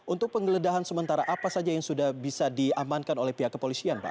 untuk penggeledahan sementara apa saja yang sudah bisa diamankan oleh pihak kepolisian pak